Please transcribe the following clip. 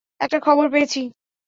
একটা খবর পেয়েছি।